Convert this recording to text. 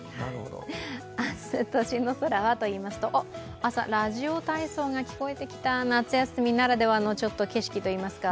明日、都心の空はといいますと朝、ラジオ体操が聞こえてきた夏休みならではの景色といいますか。